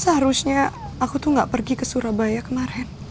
seharusnya aku tuh gak pergi ke surabaya kemarin